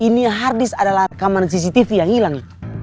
ini hardis adalah rekaman cctv yang hilang